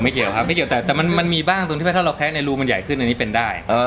เกี่ยวครับไม่เกี่ยวแต่แต่มันมีบ้างตรงที่ว่าถ้าเราแคะในรูมันใหญ่ขึ้นอันนี้เป็นได้